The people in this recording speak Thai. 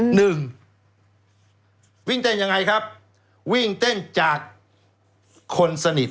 หนึ่งวิ่งเต้นยังไงครับวิ่งเต้นจากคนสนิท